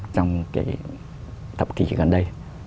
trong cái thập kỷ gần đây